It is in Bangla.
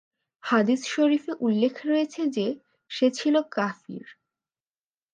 হাদীস শরীফে উল্লেখ রয়েছে যে, সে ছিল কাফির।